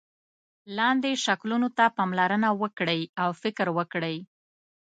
لاندې شکلونو ته پاملرنه وکړئ او فکر وکړئ.